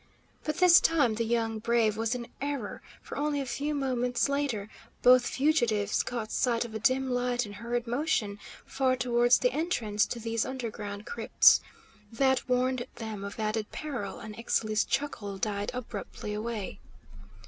But this time the young brave was in error, for only a few moments later both fugitives caught sight of a dim light in hurried motion far towards the entrance to these underground crypts. That warned them of added peril, and Ixtli's chuckle died abruptly away.